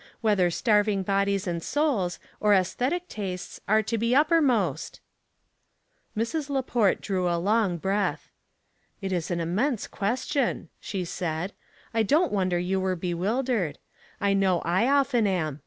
Whether starving bodies and souls, or aesthetic tastes, are to be upper most ?" Mrs. Laport drew a long breath. " It is an immense question," she said. '' I don't wonder you were bewildered. I know I often am.